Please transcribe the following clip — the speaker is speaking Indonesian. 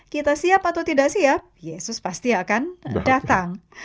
kita siap atau tidak siap yesus pasti akan datang